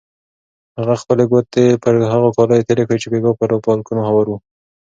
هغې خپلې ګوتې پر هغو کالیو تېرې کړې چې بېګا پر بالکن هوار وو.